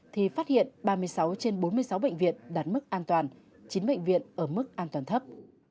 thì phát hiện ba mươi sáu trên bốn mươi sáu bệnh viện đạt mức an toàn chín bệnh viện ở mức an toàn thấp